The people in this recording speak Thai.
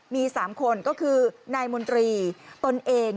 มี๓คนก็คือนายมนตรีตนเอง